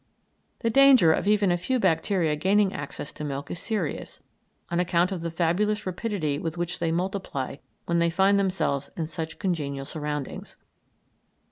The danger of even a few bacteria gaining access to milk is serious, on account of the fabulous rapidity with which they multiply when they find themselves in such congenial surroundings.